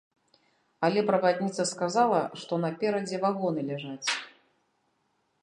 Але правадніца сказала, што наперадзе вагоны ляжаць.